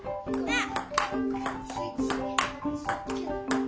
あっ。